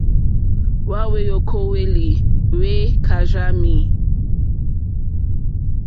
Hwa hweokoweli hwe karzami.